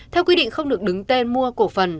theo quy định không được đứng tên mua cổ phần